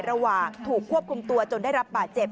ระหว่างถูกควบคุมตัวจนได้รับบาดเจ็บ